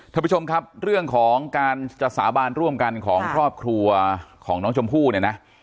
ท่านผู้ชมครับเรื่องของการจะสาบานร่วมกันของครอบครัวของน้องชมพู่เนี่ยนะ